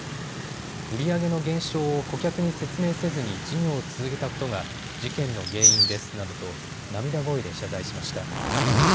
売り上げの減少を顧客に説明せずに事業を続けたことが事件の原因ですなどと涙声で謝罪しました。